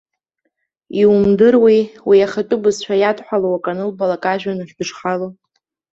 Иумдыруеи, уи ахатәы бызшәа иадҳәалоу акы анылбалак ажәҩан ахь дышхало?!